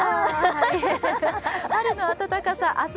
春の暖かさ、明日